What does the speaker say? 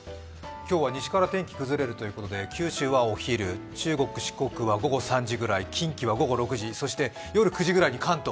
今日は西から天気が崩れるということで九州はお昼、中国、四国は午後３時ぐらい近畿は午後６時、そして夜９時ぐらいに関東。